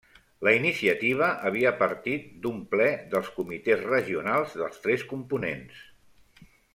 La iniciativa havia partit d'un ple dels comitès regionals dels tres components.